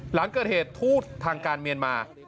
หลังเกิดเหตุทูตทางการเมียนมา